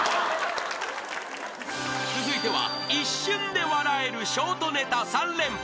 ［続いては一瞬で笑えるショートネタ３連発］